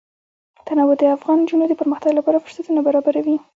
تنوع د افغان نجونو د پرمختګ لپاره فرصتونه برابروي.